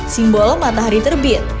simbol matahari terbit